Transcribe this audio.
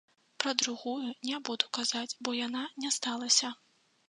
Пра другую не буду казаць, бо яна не сталася.